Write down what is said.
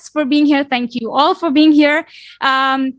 terima kasih semua yang ada di sini